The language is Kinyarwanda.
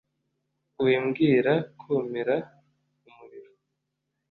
" wimbwira kumira umuriro